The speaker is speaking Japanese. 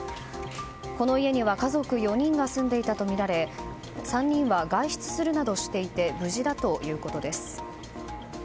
この家には家族４人が住んでいたとみられ３人は外出するなどしていて無事だということです。